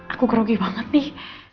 aku kerugi banget nih